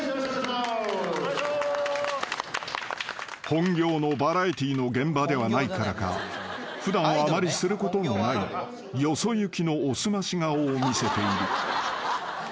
［本業のバラエティーの現場ではないからか普段はあまりすることのないよそ行きのお澄まし顔を見せている］